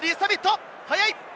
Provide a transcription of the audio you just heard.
速い！